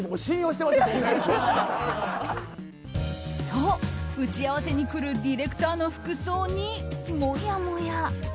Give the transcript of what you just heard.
と、打ち合わせに来るディレクターの服装にもやもや。